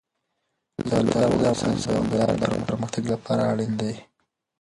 زردالو د افغانستان د دوامداره پرمختګ لپاره اړین دي.